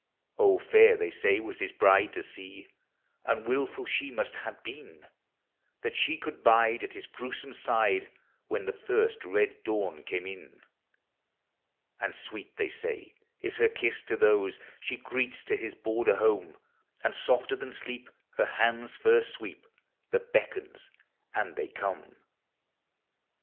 Oh, fair they say, was his bride to see, And wilful she must have been, That she could bide at his gruesome side When the first red dawn came in. And sweet, they say, is her kiss to those She greets to his border home ; And softer than sleep her hand's first sweep That beckons, and they come.